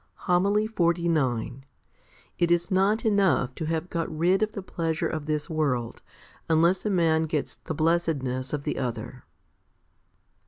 HOMILY XLIX // is not enough to have got rid oj the pleasure of this world, unless a man gets the blessedness of the other.